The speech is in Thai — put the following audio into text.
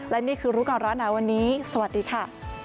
และนี่คือรู้ก่อนร้อนหนาวันนี้สวัสดีค่ะ